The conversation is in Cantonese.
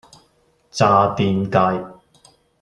渣甸街